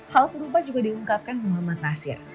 hal serupa juga diungkapkan muhammad nasir